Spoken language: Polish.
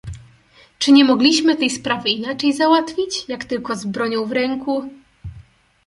"Czy nie mogliśmy tej sprawy inaczej załatwić, jak tylko z bronią w ręku?"